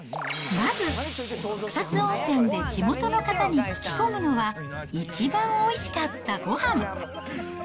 まず草津温泉で地元の方に聞き込むのは、一番おいしかったごはん。